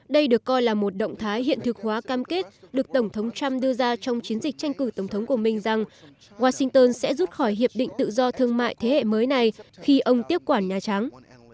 đây được coi là một động thái hiện thực hóa cam kết được tổng thống trump đưa ra trong chiến dịch tranh cử tổng thống của mình rằng washington sẽ rút khỏi hiệp định tự do thương mại thế hệ mới này khi ông tiếp quản nhà trắng